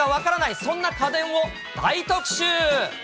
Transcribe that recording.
そんな家電を大特集。